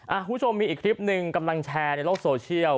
คุณผู้ชมมีอีกคลิปหนึ่งกำลังแชร์ในโลกโซเชียล